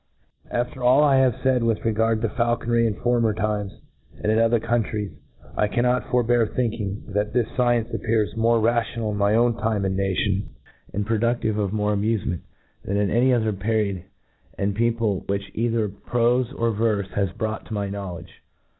After all I have faid with regard to faulconrf in former times^ and in other countries, I cannot forbear thinking, that this fcience appears more rational in my own time and nation, and produftive of more amufement, than in any other period and people," which cither profe or verfe ha^ brought to my knowledge.